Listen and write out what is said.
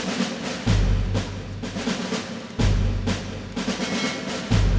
masih masih bisa bisa